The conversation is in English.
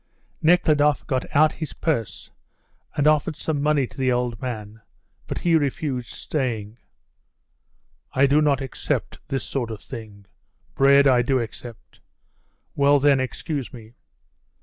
Nekhludoff got out his purse and offered some money to the old man, but he refused, saying: "I do not accept this sort of thing bread I do accept." "Well, then, excuse me."